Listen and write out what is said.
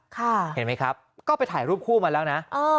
เห็นไหมครับก็ไปถ่ายรูปคู่มาแล้วนะ